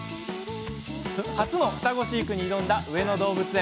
初の双子飼育に挑んだ上野動物園。